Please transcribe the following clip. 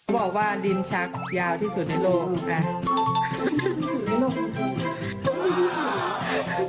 บอกว่าลิ้นชักยาวที่สุดในโลก